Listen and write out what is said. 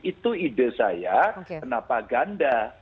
itu ide saya kenapa ganda